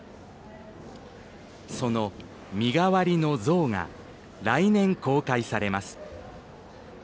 その身代わりの像が来年公開されます。